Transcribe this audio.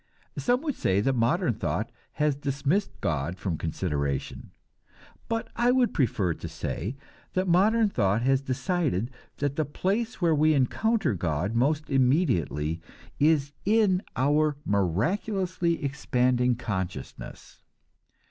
Some would say that modern thought has dismissed God from consideration; but I would prefer to say that modern thought has decided that the place where we encounter God most immediately is in our own miraculously expanding consciousness.